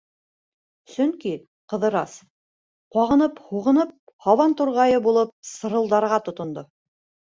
Сөнки Ҡыҙырас, ҡағынып-һуғынып, һабан турғайы булып сырылдарға тотондо.